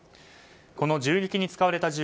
この銃撃に使われた銃